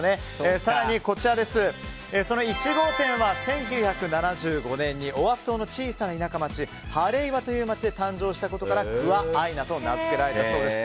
更に、１号店は１９７５年にオアフ島の小さな田舎町ハレイワという町で誕生したことからクア・アイナと名づけられたそうです。